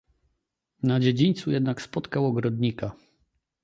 "Na dziedzińcu jednak spotkał ogrodnika."